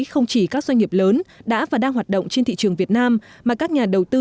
không chỉ các doanh nghiệp lớn đã và đang hoạt động trên thị trường việt nam mà các nhà đầu tư